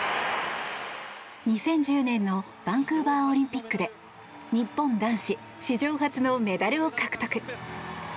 ２０１０年のバンクーバーオリンピックで日本男子史上初のメダルを獲得。